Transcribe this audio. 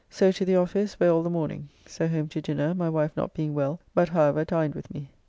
So to the office, where all the morning. So home to dinner, my wife not being well, but however dined with me.